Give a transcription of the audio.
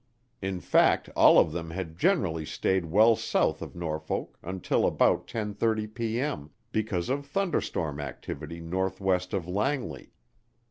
In fact, all of them had generally stayed well south of Norfolk until about 10:30P.M. because of thunderstorm activity northwest of Langley.